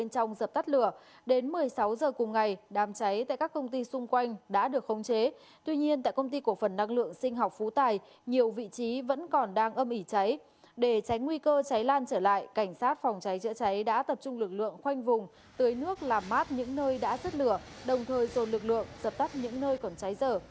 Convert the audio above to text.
công tác chữa cháy đã tập trung lực lượng khoanh vùng tưới nước làm mát những nơi đã giất lửa đồng thời dồn lực lượng dập tắt những nơi còn cháy dở